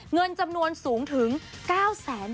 เงินจำนวนสูงถึง๙แสนบาท